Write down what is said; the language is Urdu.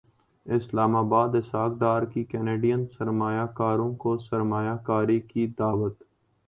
اسلام اباد اسحاق ڈار کی کینیڈین سرمایہ کاروں کو سرمایہ کاری کی دعوت